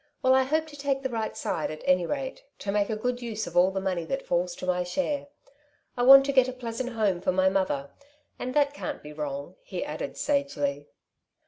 Well, I hope to take the right side — at any rate, to make a good use of all the money that falls to my share. I want to get a pleasant home for my mother, and that can^t be wrong," he added sagely.